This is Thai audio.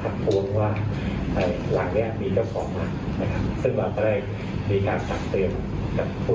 ทัดทวงว่าหลังเนี้ยมีเจ้าของมานะครับซึ่งประเภทมีการจัดเตรียมกับผู้